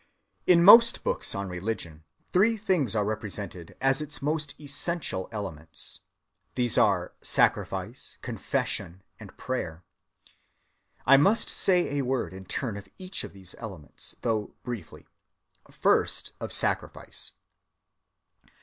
In most books on religion, three things are represented as its most essential elements. These are Sacrifice, Confession, and Prayer. I must say a word in turn of each of these elements, though briefly. First of Sacrifice.